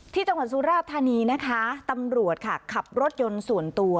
ที่จังหวัดสุราธานีนะคะตำรวจค่ะขับรถยนต์ส่วนตัว